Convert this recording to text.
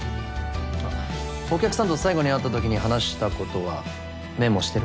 あっお客さんと最後に会ったときに話したことはメモしてる？